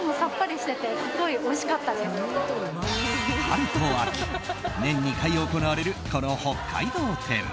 春と秋、年２回行われるこの北海道展。